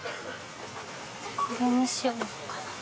これにしようかな。